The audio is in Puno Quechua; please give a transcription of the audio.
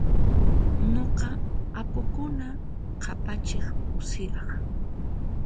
Nuqa apukuna q'apachiq pusiraq.